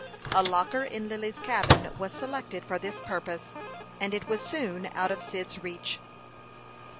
A locker in Lily's cabin was selected for this purpose, and it was soon out of Cyd's reach.